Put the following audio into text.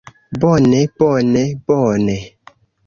Bone, bone, bone...